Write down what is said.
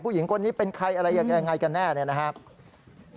ผู้หญิงคนนี้เป็นใครอะไรยังไงกันแน่เนี่ยนะครับ